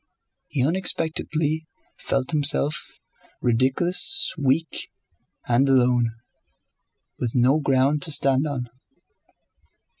He unexpectedly felt himself ridiculous, weak, and alone, with no ground to stand on.